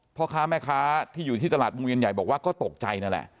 พ่อค้าแม่ค้าที่อยู่ที่ตลาดวงเวียนใหญ่บอกว่าก็ตกใจนั่นแหละ